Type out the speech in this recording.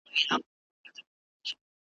ناځوانه برید وسو .